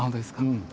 うん。